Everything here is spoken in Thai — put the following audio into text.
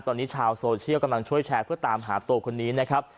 ตอนนี้ชาวโซเชียลกำลังช่วยแชร์เพื่อตามหาตัวคนนี้นะครับ